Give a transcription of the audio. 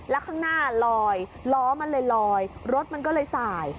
แล้วข้างหน้าลอยล้อมันเลยลอยรถมันก็เลยสาย